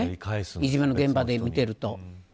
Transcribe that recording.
いじめの現場で見てると。